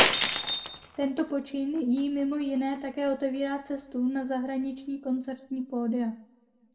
Tento počin jí mimo jiné také otevírá cestu na zahraniční koncertní pódia.